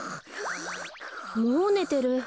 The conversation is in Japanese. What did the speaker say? もうねてる。